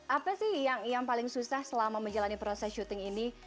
apa sih yang paling susah selama menjalani proses syuting ini